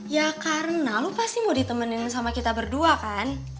ya karena lupa sih mau ditemenin sama kita berdua kan